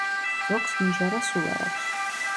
ზოგს ნიჟარა სულ არ აქვს.